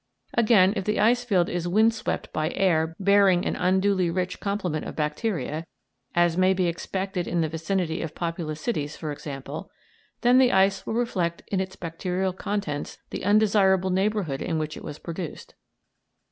Again, if the ice field is wind swept by air bearing an unduly rich complement of bacteria, as may be expected in the vicinity of populous cities, for example, then the ice will reflect in its bacterial contents the undesirable neighbourhood in which it was produced.